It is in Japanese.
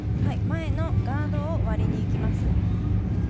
前のガードを割りにいきます。